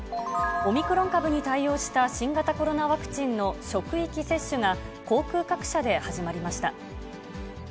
オミクロン株に対応した新型コロナワクチンの職域接種が、航空各社で始まりました。